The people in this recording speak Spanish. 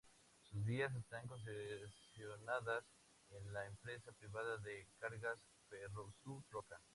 Sus vías están concesionadas a la empresa privada de cargas Ferrosur Roca.